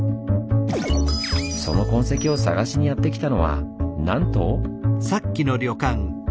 その痕跡を探しにやってきたのはなんと！